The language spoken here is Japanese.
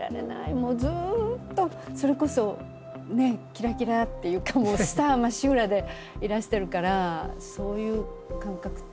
もうずっとそれこそねキラキラっていうかもうスターまっしぐらでいらしてるからそういう感覚って。